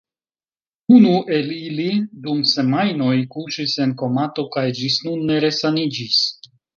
Unu el ili dum semajnoj kuŝis en komato kaj ĝis nun ne resaniĝis.